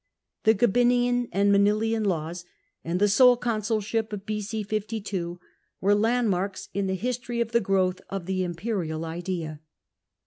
The Gabinian and Manilian Laws, and the sole consulship of B.C. 52, were landmarks in tlie history of the growth of the imperial idea.